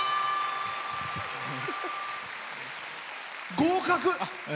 合格！